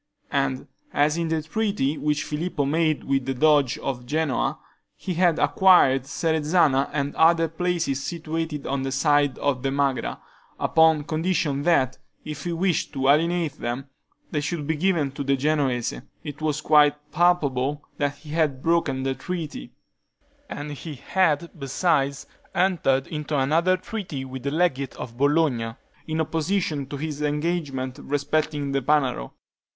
And as in the treaty which Filippo made with the Doge of Genoa, he had acquired Serezana and other places situated on this side the Magra, upon condition that, if he wished to alienate them, they should be given to the Genoese, it was quite palpable that he had broken the treaty; and he had, besides, entered into another treaty with the legate of Bologna, in opposition to his engagement respecting the Panaro.